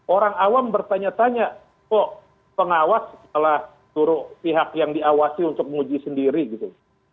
orang awam bertanya tanya kok pengawas malah suruh pihak yang diawasi untuk menguji sendiri gitu